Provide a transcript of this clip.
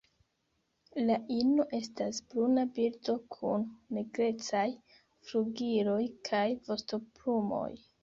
La ino estas bruna birdo kun nigrecaj flugiloj kaj vostoplumoj.